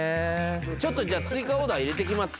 ちょっとじゃあ追加オーダー入れてきます。